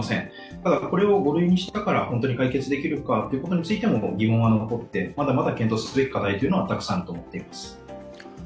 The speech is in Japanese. ただ、これを５類にしたから本当に解決できるかということについても疑問は残って、まだまだ検討すべき課題はたくさんと思っています。